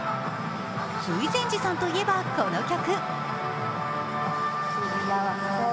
水前寺さんといえば、この曲。